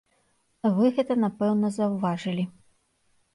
Вы гэта, напэўна, заўважылі.